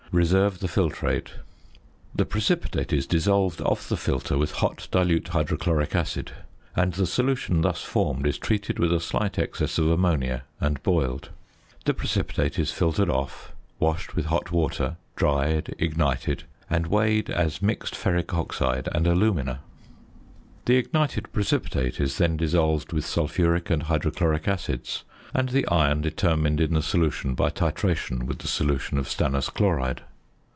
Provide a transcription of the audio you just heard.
Reserve the filtrate. The precipitate is dissolved off the filter with hot dilute hydrochloric acid; and the solution thus formed is treated with a slight excess of ammonia, and boiled. The precipitate is filtered off, washed with hot water, dried, ignited, and weighed as mixed ferric oxide and alumina. The ignited precipitate is then dissolved with sulphuric and hydrochloric acids; and the iron determined in the solution by titration with the solution of stannous chloride.